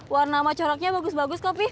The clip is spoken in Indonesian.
warna sama coraknya bagus bagus kok pih